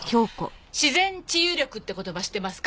自然治癒力って言葉知ってますか？